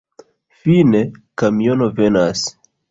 Fine, kamiono venas.